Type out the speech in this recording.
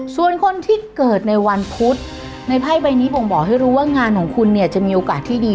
ส่วนคนที่เกิดในวันพุธในไพ่ใบนี้บ่งบอกให้รู้ว่างานของคุณเนี่ยจะมีโอกาสที่ดี